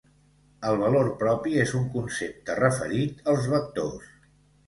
El valor propi és un concepte referit als vectors.